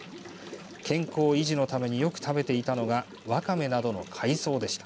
健康維持のためによく食べていたのがわかめなどの海藻でした。